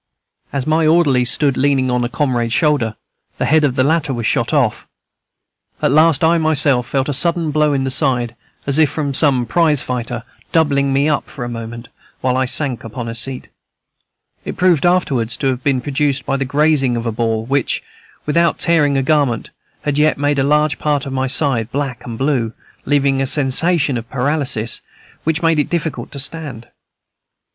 As my orderly stood leaning on a comrade's shoulder, the head of the latter was shot off. At last I myself felt a sudden blow in the side, as if from some prize fighter, doubling me up for a moment, while I sank upon a seat. It proved afterwards to have been produced by the grazing of a ball, which, without tearing a garment, had yet made a large part of my side black and blue, leaving a sensation of paralysis which made it difficult to stand.